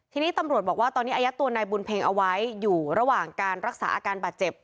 ทีนี้ตำรวจบอกว่าตอนนี้อายัดตัวนายบุญเพ็งเอาไว้อยู่ระหว่างการรักษาอาการบาดเจ็บ